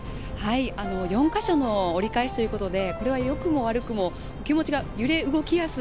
４か所の折り返しということで、良くも悪くも気持ちが揺れ動きやすい。